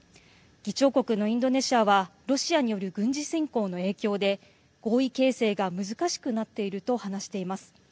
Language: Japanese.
議長国のインドネシアはロシアによる軍事侵攻の影響で合意形成が難しくなっていると話しています。